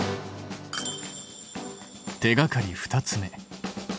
手がかり２つ目。